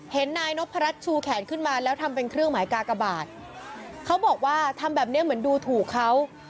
เห็นนายนพรัชชูแขนขึ้นมาแล้วทำเป็นเครื่องหมายกากบาทเขาบอกว่าทำแบบเนี้ยเหมือนดูถูกเขา